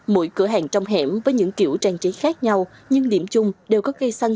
mỗi cửa hàng trong hẻm với những kiểu trang trí khác nhau nhưng điểm chung đều có cây xanh